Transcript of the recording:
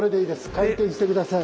回転して下さい。